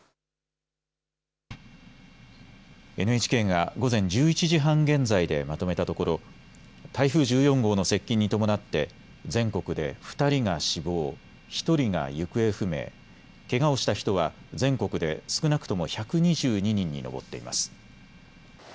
ＮＨＫが午前１１時半現在でまとめたところ台風１４号の接近に伴って全国で２人が死亡、１人が行方不明、けがをした人は全国で少なくとも１２２人に上っています。